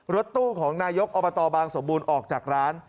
รถตู้ของนายกอบตบางสมบูรณ์ออกจากร้าน